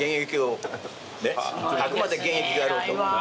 あくまで現役であろうと。